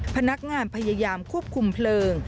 พนักงานพยายามควบคุมเพลิง